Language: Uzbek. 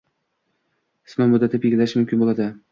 sinov muddati belgilanishi mumkin bo‘ladi.